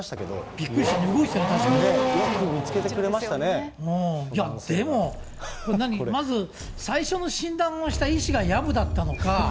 びっくりしたね、動いてたね、ねえ、よく見つけてくれましいや、でも、何、まず最初の診断をした医師がやぶだったのか。